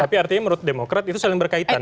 tapi artinya menurut demokrat itu saling berkaitan